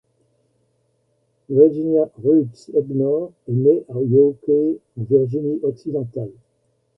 Virginia Ruth Egnor est née à Yawkey, en Virginie-Occidentale.